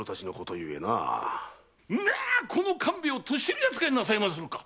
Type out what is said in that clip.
この官兵衛を年寄り扱いなさいまするか！